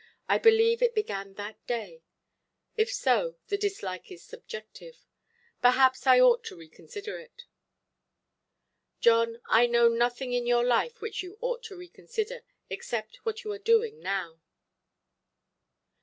I believe it began that day. If so, the dislike is subjective. Perhaps I ought to reconsider it". "John, I know nothing in your life which you ought to reconsider, except what you are doing now".